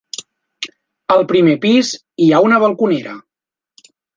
Al primer pis hi ha una balconera.